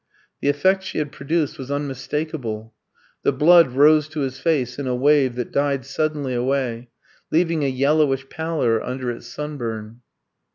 The effect she had produced was unmistakable. The blood rose to his face in a wave that died suddenly away, leaving a yellowish pallor under its sunburn.